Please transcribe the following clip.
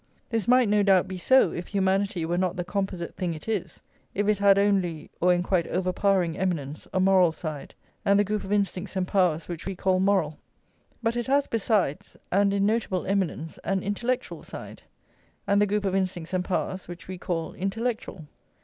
This might, no doubt, be so, if humanity were not the composite thing it is, if it had only, or in quite overpowering eminence, a moral side, and the group of instincts and powers which we call moral. But it has besides, and in notable eminence, an intellectual side, and the group of instincts and powers which we call intellectual.